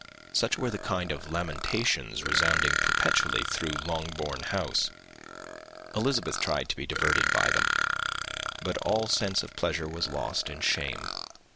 Such were the kind of lamentations resounding perpetually through Longbourn House. Elizabeth tried to be diverted by them; but all sense of pleasure was lost in shame.